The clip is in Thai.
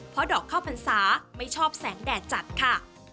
เพราะดอกข้าวพรรษาไม่ชอบแสงแดดจัดค่ะ